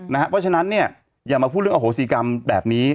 เพราะฉะนั้นอย่ามาพูดเรื่องอโหสิกรรมแบบนี้